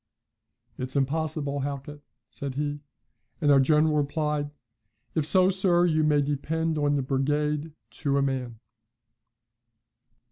'It's impossible, Halkett,' said he. And our general replied, 'If so, sir, you may depend on the brigade to a man!'"